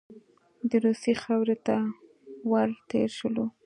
د روسیې خاورې ته ور تېر شولو.